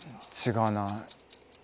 違うなぁ。